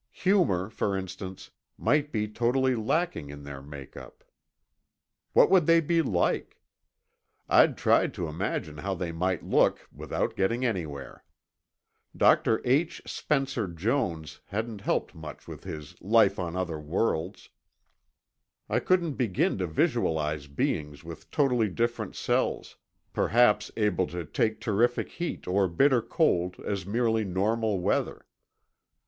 Humor, for instance, might be totally lacking in their make up. What would they be like? I'd tried to imagine how they might look, without getting anywhere. Dr. H. Spencer Jones hadn't helped much with his Life on Other Worlds. I couldn't begin to visualize beings with totally different cells, perhaps able to take terrific heat or bitter cold as merely normal weather.